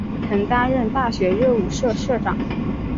曾担任大学热舞社社长。